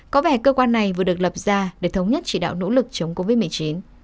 có vẻ cơ quan này vừa được lập ra để thống nhất chỉ đạo nỗ lực chống covid một mươi chín